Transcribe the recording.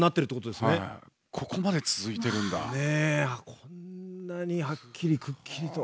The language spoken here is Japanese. こんなにはっきりくっきりと。